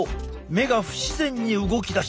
目が不自然に動き出した。